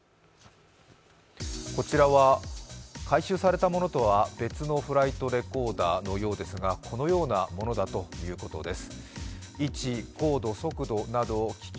こちらは回収されたものとは別のフライトレコーダーのようですがこのようなものだということです。